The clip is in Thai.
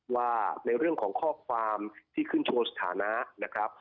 ว่าในเรื่องของข้อความที่ขึ้นโชว์สถานะนะครับ